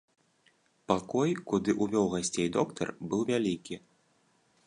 Пакой, куды ўвёў гасцей доктар, быў вялікі.